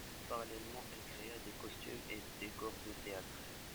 Parallèlement, il créa des costumes et décors de théâtre.